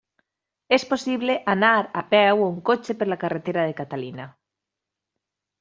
És possible anar a peu o en cotxe per la carretera de Catalina.